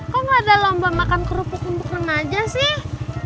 kok gak ada lomba makan kerupuk untuk remaja sih